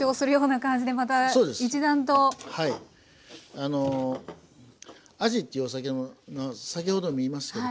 あのあじっていうお魚の先ほども言いますけど。